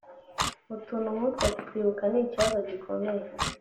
utuntu nk’utwo kutwibuka ni ikibazo gikomeye